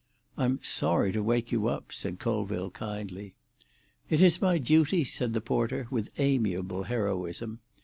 "I'm sorry to wake you up," said Colville kindly. "It is my duty," said the porter, with amiable heroism.